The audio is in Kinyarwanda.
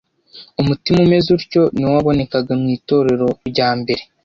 Umutima umeze utyo ni wo wabonekaga mu itorero rya mbere.